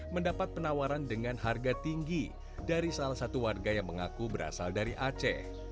mendapat penawaran dengan harga tinggi dari salah satu warga yang mengaku berasal dari aceh